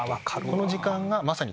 この時間がまさに。